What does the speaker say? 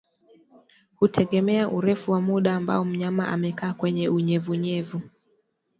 Hutegemea urefu wa muda ambao mnyama amekaa kwenye unyevunyevu